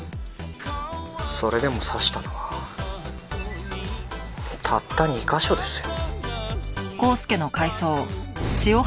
それでも刺したのはたった２カ所ですよ。